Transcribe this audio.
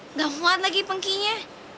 nggak muat lagi pengkinya